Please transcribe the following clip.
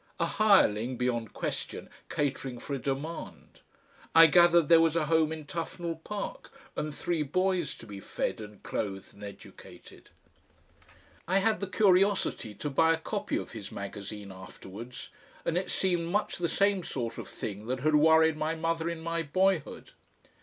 A hireling, beyond question, catering for a demand. I gathered there was a home in Tufnell Park, and three boys to be fed and clothed and educated.... I had the curiosity to buy a copy of his magazine afterwards, and it seemed much the same sort of thing that had worried my mother in my boyhood.